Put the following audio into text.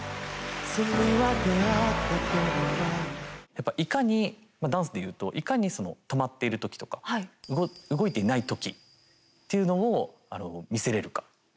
やっぱいかにダンスで言うといかにその止まっている時とか動いていない時っていうのを見せれるか。